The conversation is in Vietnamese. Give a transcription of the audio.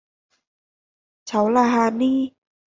Cháu là hà ni